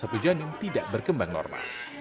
tetapi salah satu jenis tidak berkembang normal